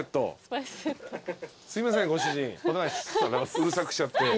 うるさくしちゃって。